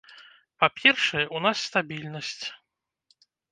Па-першае, у нас стабільнасць.